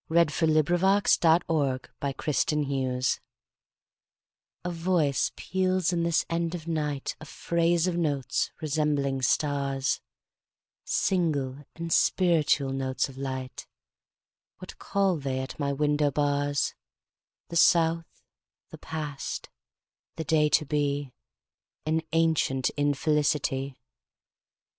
1920. Alice Meynell1847–1922 A Thrush before Dawn A VOICE peals in this end of nightA phrase of notes resembling stars, Single and spiritual notes of light. What call they at my window bars? The South, the past, the day to be, An ancient infelicity.